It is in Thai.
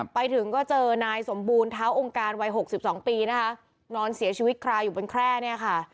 ไปถึงก็เจอนายสมบูรณเท้าองค์การวัยหกสิบสองปีนะคะนอนเสียชีวิตคลายอยู่บนแคร่เนี่ยค่ะ